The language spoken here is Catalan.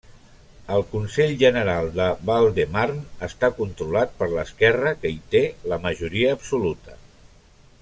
El Consell General de Val-de-Marne està controlat per l'esquerra, que hi té la majoria absoluta.